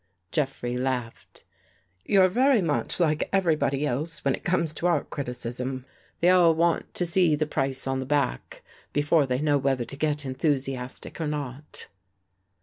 Jeffrey laughed. " You're very much like every body else, when it comes to art criticism. They all want to see the price on the back, before they know whether to get enthusiastic or not."